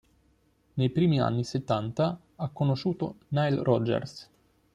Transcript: Nei primi anni settanta ha conosciuto Nile Rodgers.